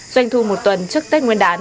doanh thu một tuần trước tết nguyên đán